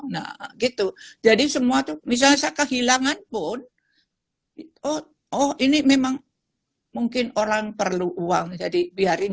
nah gitu jadi semua tuh misalnya saya kehilangan pun oh ini memang mungkin orang perlu uang jadi biarin